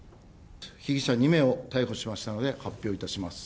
被疑者２名を逮捕しましたので、発表いたします。